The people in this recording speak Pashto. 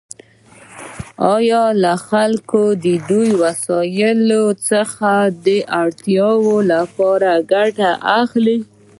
آیا خلک له دې وسایلو څخه د اړتیاوو لپاره ګټه اخلي؟